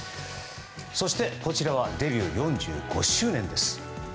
そしてこちらはデビュー４５周年です。